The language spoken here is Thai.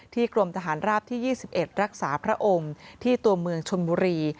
กรมทหารราบที่๒๑รักษาพระองค์ที่ตัวเมืองชนบุรี